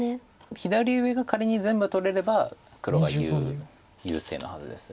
左上が仮に全部取れれば黒が優勢なはずです。